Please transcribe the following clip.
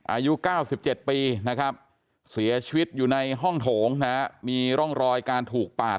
อายุ๙๗ปีนะครับเสียชีวิตอยู่ในห้องโถงนะฮะมีร่องรอยการถูกปาด